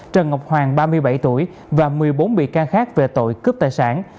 trần ngọc hoàng và một mươi bốn bị can khác về tội cướp tài sản